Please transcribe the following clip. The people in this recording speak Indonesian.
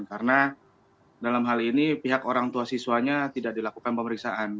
karena dalam hal ini pihak orang tua siswanya tidak dilakukan pemeriksaan